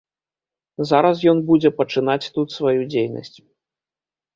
Зараз ён будзе пачынаць тут сваю дзейнасць.